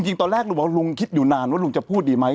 ตอนแรกลุงบอกลุงคิดอยู่นานว่าลุงจะพูดดีไหม